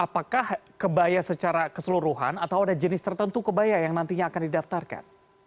apakah kebaya secara keseluruhan atau ada jenis tertentu kebaya yang nantinya akan didaftarkan